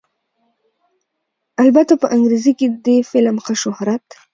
البته په انګرېزۍ کښې دې فلم ښۀ شهرت